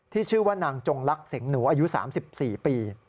ชื่อว่านางจงลักษิงหนูอายุ๓๔ปี